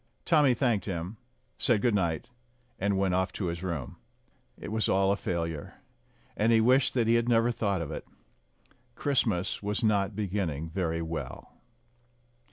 Tommy thanked him, said good night, and went off to his room. It was all a failure, and he wished that he had never thought of it. Christmas was not beginning very well.